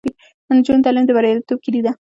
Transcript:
د نجونو تعلیم د بریالیتوب کیلي ده.